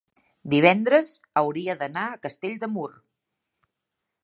divendres hauria d'anar a Castell de Mur.